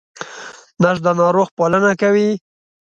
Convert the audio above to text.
نرس د ناروغ پالنه کوي